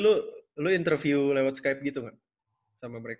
berarti lu interview lewat skype gitu gak sama mereka